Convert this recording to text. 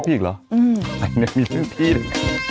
อืมไม่มีเรื่องพี่ด้วย